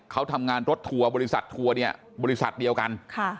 เขาทำงานรถทัวร์บริษัททัวร์เนี่ยบริษัทเดียวกัน